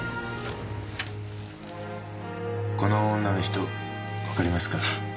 この女の人わかりますか？